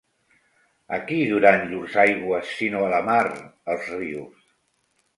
A qui duran llurs aigües sinó a la mar, els rius?